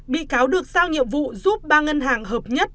bị cáo được giao nhiệm vụ giúp ba ngân hàng hợp nhất